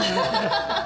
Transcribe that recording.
ハハハ。